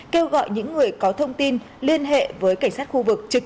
kêu gọi những người có thông tin liên hệ với cảnh sát khu vực trực tiếp hoặc ẩn danh